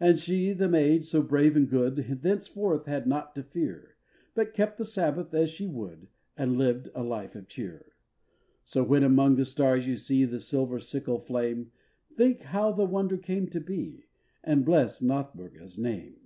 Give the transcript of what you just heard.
And she, the maid so brave and good, Thenceforth had naught to fear, But kept the Sabbath as she would, And lived a life of cheer. So when among the stars you see The silver sickle flame, Think how the wonder came to be, And bless Nothburga's name.